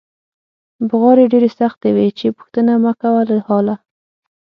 بغارې ډېرې سختې وې چې پوښتنه مکوه له حاله.